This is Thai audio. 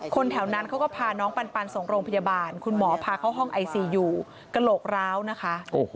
แถวนั้นเขาก็พาน้องปันส่งโรงพยาบาลคุณหมอพาเข้าห้องไอซีอยู่กระโหลกร้าวนะคะ